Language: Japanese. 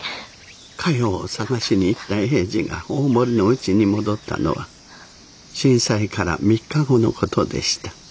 かよを捜しに行った英治が大森のうちに戻ったのは震災から３日後の事でした。